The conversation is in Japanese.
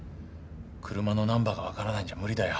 車のナンバーが分からないんじゃ無理だよ。